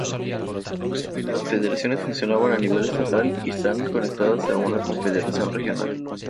Las federaciones funcionan a nivel estatal, y están conectadas a una confederación regional.